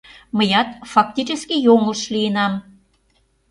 Мыят фактически йоҥылыш лийынам...